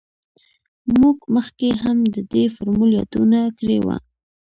موږ مخکې هم د دې فورمول یادونه کړې وه